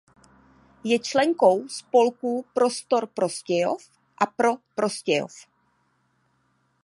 Je členkou spolků Prostor Prostějov a Pro Prostějov.